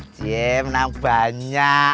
cie menang banyak